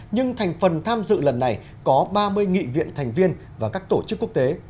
nhưng thành phần tham dự lần này có ba mươi nghị viện thành viên và các tổ chức quốc tế